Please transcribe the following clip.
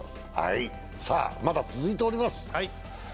まだ続いております。